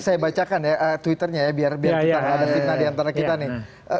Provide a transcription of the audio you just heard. saya bacakan ya twitternya ya biar kita gak ada fitnah diantara kita nih